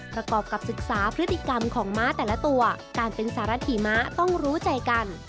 ประกอบกับศึกษาพฤติกรรมของม้าแต่ละตัวการเป็นสารหิมะต้องรู้ใจกัน